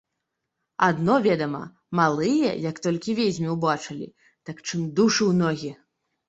Адно, ведама, малыя, як толькі ведзьму ўбачылі, так чым душы ў ногі.